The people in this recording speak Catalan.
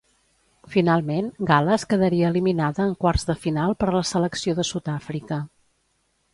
Finalment, Gal·les quedaria eliminada en quarts de final per la selecció de Sud-àfrica.